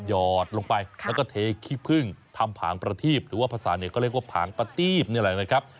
หอดลงไปแล้วก็เทขี้พึ่งทำผางประทีบหรือว่าภาษาเนี่ยก็เรียกว่าผางประทีบนี่แหละนะครับ